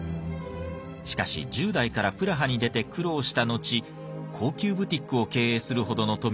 しかし１０代からプラハに出て苦労した後高級ブティックを経営するほどの富を築きました。